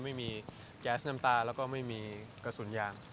ไม่มีแก๊สน้ำตาแล้วก็ไม่มีกระสุนยาง